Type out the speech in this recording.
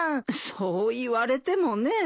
そう言われてもねえ。